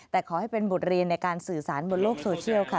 แต่ขอให้เป็นบทเรียนในการสื่อสารบนโลกโซเชียลค่ะ